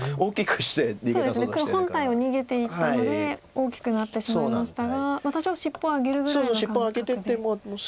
黒本体を逃げていったので大きくなってしまいましたが多少尻尾あげるぐらいの感覚。